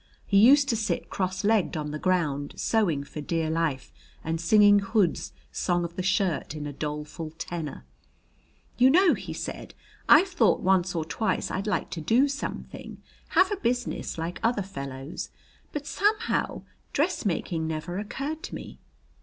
He used to sit cross legged on the ground, sewing for dear life and singing Hood's "Song of the Shirt" in a doleful tenor. "You know," he said, "I've thought once or twice I'd like to do something have a business like other fellows. But somehow dressmaking never occurred to me.